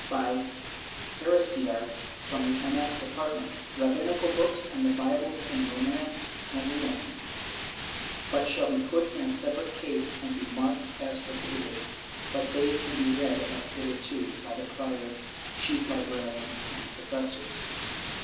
by heresiarchs from the MS. department. Rabbinical books and Bibles in Romance can remain, but shall be put in a separate case and be marked as prohibited, but they can be read as hitherto, by the prior, chief librarian and professors.